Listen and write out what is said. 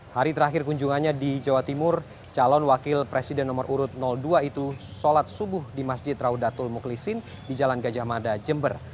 hari terakhir kunjungannya di jawa timur calon wakil presiden nomor urut dua itu sholat subuh di masjid raudatul muklisin di jalan gajah mada jember